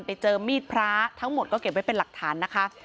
ไปเจอมีดพระทั้งหมดก็เก็บไว้เป็นหลักฐานนะคะ